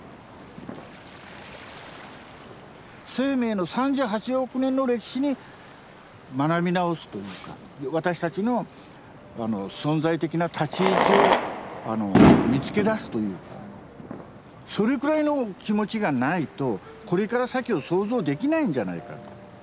生命の３８億年の歴史に学び直すというか私たちの存在的な立ち位置を見つけ出すというそれくらいの気持ちがないとこれから先を想像できないんじゃないかと。